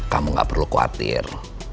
kamu ga perlu khawatir